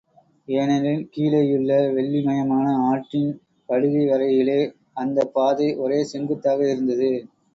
ஏனெனில், கீழேயுள்ள வெள்ளிமயமான ஆற்றின் படுகை வரையிலே அந்தப் பாதை ஒரே செங்குத்தாக இருந்தது.